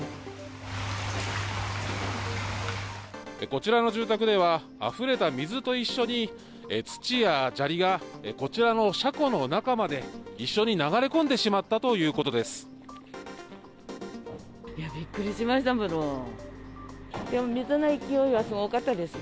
こちらの住宅では、あふれた水と一緒に、土や砂利がこちらの車庫の中まで一緒に流れ込んでしまったというびっくりしましたもの。